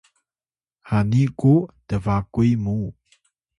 Rimuy: hani ku tbakuy muw